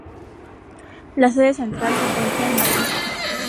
La sede central se encuentra en Madrid.